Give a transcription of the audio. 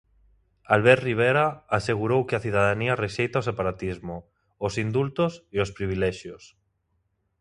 Albert Rivera, asegurou que a cidadanía rexeita o separatismo, os indultos e os privilexios.